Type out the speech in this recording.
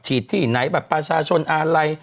ฉีดที่ไหนแบบประชาชนอะไร